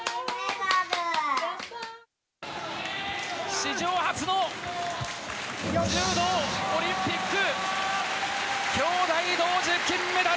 史上初の柔道オリンピック兄妹同時金メダル！